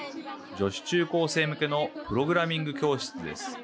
女子中高生向けのプログラミング教室です。